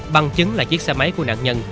bằng chứng là chiếc xe máy của nạn nhân